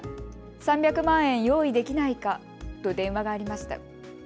３００万円用意できないかと電話がありました。